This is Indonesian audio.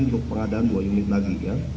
untuk pengadaan dua unit lagi